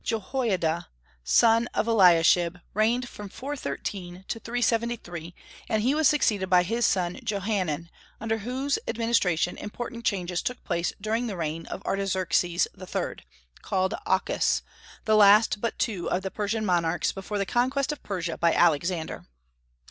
Jehoiada, son of Eliashib, reigned from 413 to 373, and he was succeeded by his son Johanan, under whose administration important changes took place during the reign of Artaxerxes III., called Ochus, the last but two of the Persian monarchs before the conquest of Persia by Alexander.